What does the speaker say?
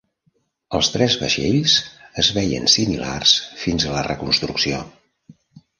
Els tres vaixells es veien similars fins a la reconstrucció.